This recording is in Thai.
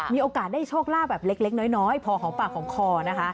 มีโอกาสได้ชาวราศีแบบเล็กน้อยพอของปากของคอนะคะ